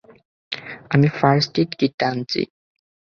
আমি first aid কিটটা আনছি।